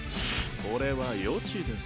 これは予知です。